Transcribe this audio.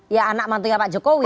ya anak mantunya pak jokowi